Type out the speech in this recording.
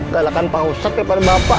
galakan pak ustadz daripada bapak